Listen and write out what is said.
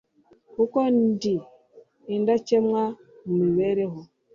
kuko ndi indakemwa mu mibereho